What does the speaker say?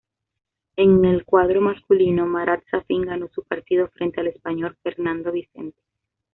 En el cuadro masculino, Marat Safin ganó su partido frente al español Fernando Vicente.